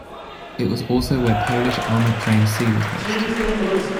It was also where Polish armoured train C was based.